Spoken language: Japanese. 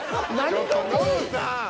ちょっとノブさん。